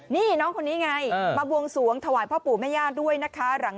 นี่น้องคนนี้ไงมาบวงสวงถวายพ่อปู่แม่ย่าด้วยนะคะ